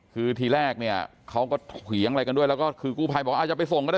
คือทีแรกเนี่ยเขาก็เถียงอะไรกันด้วยแล้วก็คือกู้ภัยบอกอาจจะไปส่งก็ได้